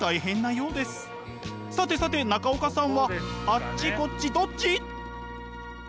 さてさて中岡さんはあっちこっちどっち？